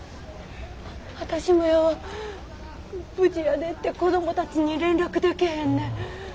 無事やでって子供たちに連絡でけへんね。